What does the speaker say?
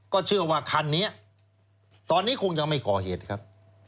ก็เชื่อว่าคันนี้ตอนนี้คงยังไม่ก่อเหตุครับ